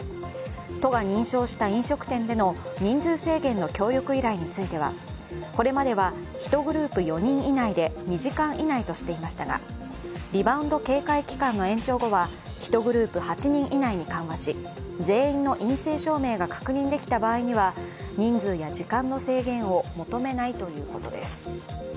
都が認証した飲食店での人数制限の協力依頼については、これまでは１グループ４人以内で２時間以内としていましたがリバウンド警戒期間の延長後は１グループ８人以内に緩和し全員の陰性証明が確認できた場合には人数や時間の制限を求めないということです。